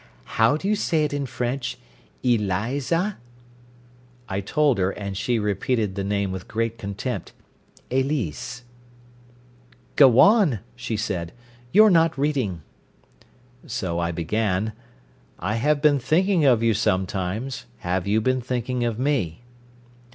"How do you say it in French? Eliza?" I told her, and she repeated the name with great contempt Elise. "Go on," she said. "You're not reading." So I began "'I have been thinking of you sometimes have you been thinking of me?'"